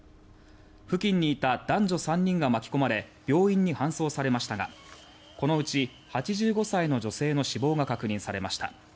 付近にいた男女３人が巻き込まれ病院に搬送されましたがこのうち８５歳の女性の死亡が確認されました。